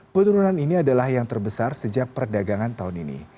penurunan ini adalah yang terbesar sejak perdagangan tahun ini